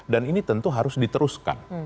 dan ini tentu harus diteruskan